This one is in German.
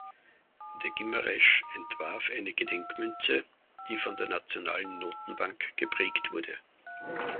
De Guimarães entwarf eine Gedenkmünze, die von der nationalen Notenbank geprägt wurde.